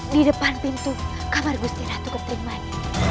di depan pintu kamar gusti ratu kentring manik